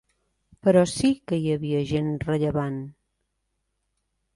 Però sí que hi havia gent rellevant.